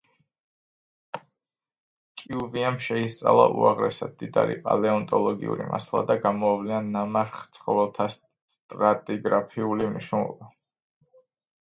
კიუვიემ შეისწავლა უაღრესად მდიდარი პალეონტოლოგიური მასალა და გამოავლინა ნამარხ ცხოველთა სტრატიგრაფიული მნიშვნელობა.